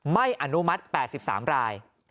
อนุมัติ๘๓ราย